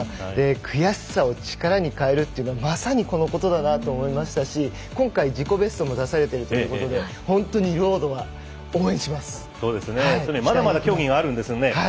悔しさを力に変えるっていうのはまさにこのことだと思いましたし今回、自己ベストも出されているということでまだまだ競技があるんですよね。